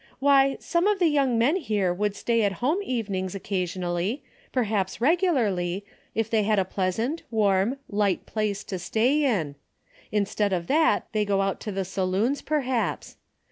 Why, some of the young men here would stay at home evenings occa sionally, perhaps regularly, if they had a pleasant, warm, light place to stay in. In stead of that they go out to the saloons, per haps.